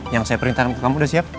yang saya perintahkan ke kamu sudah siap